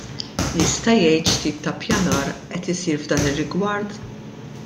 Jista' jgħid x'tip ta' ppjanar qed isir f'dan ir-rigward?